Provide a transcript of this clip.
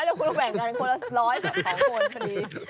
คนละ๑๐๐กับ๒คนพอดี